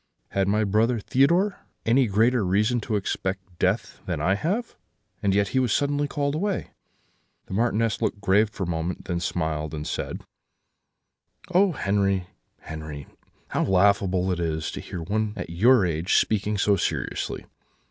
'Had my brother Theodore any greater reason to expect death than I have? And yet he was suddenly called away.' "The Marchioness looked grave for a moment; then smiled, and said: "'Oh Henri, Henri, how laughable it is to hear one at your age speaking so seriously!